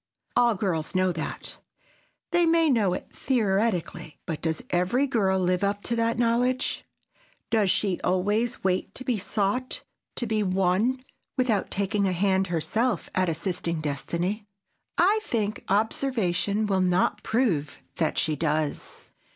All girls know that." They may know it theoretically, but does every girl live up to that knowledge? Does she always wait to be sought, to be won, without taking a hand herself at assisting destiny? I think observation will not prove that she does.